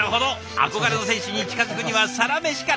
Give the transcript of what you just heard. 憧れの選手に近づくにはサラメシから！